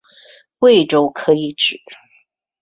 贵州可以指